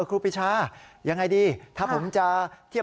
ครูปริชายังไงดี